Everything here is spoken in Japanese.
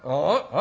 「あ？